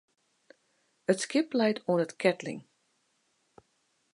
It skip leit oan 't keatling.